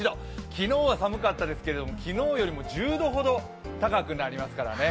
昨日は寒かったですけども、昨日よりも１０度ほど高くなりますからね。